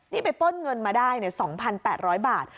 นี่ไปป้นเงินมาได้เนี่ยสองพันแปดร้อยบาท